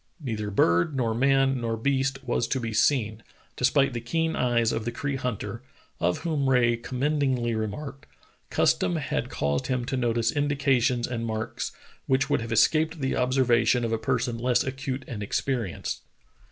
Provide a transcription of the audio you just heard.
Neither bird nor man nor beast was to be seen, despite the keen eyes of the Cree hunter, of whom Rae commendingly remarked: "Custom had caused him to notice indications and marks which would have escaped the observation of a person less acute and experienced."